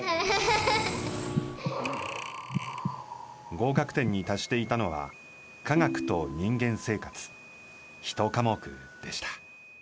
合格点に達していたのは科学と人間生活ひと科目でした。